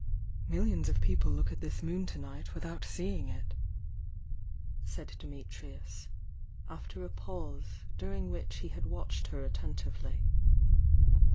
"Millions of people look at this moon to night without seeing it," said Dimitrius, after a pause, during which he had watched her attentively.